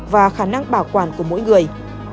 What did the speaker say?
và khả năng bảo quản của mỗi người